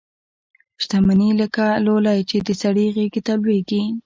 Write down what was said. شته مني لکه لولۍ چي د سړي غیږي ته لویږي